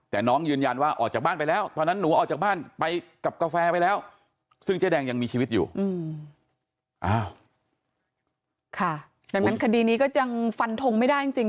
ดังนั้นคะดีนี่ก็ยังฟันธงไม่ได้จริง